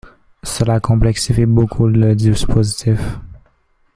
Cela complexifie beaucoup le dispositif.